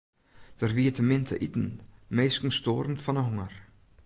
Der wie te min te iten, minsken stoaren fan 'e honger.